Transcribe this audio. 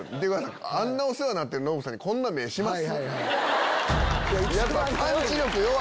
あんなお世話になってるノブさんにこんな目します？